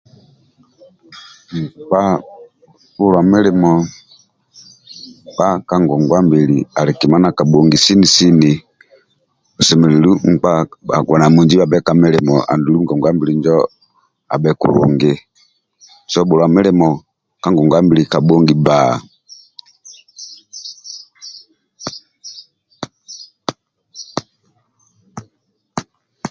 Nkpa bhuluwa milimo nkpa ka ngongwa-mbili ali kima ndia kabhongi sini-sini osemelelu nkpa bhanamunji bhabhe ka milimo andulu ngongwa-mbili injo abhe kulungi so bhuluwa milimo ka ngongwa-mbili injo kabhongi bba